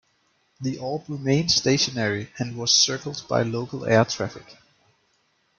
The orb remained stationary and was circled by local air traffic.